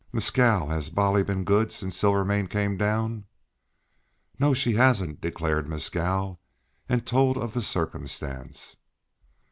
"Mescal, has Bolly been good since Silvermane came down?" "No, she hasn't," declared Mescal, and told of the circumstance.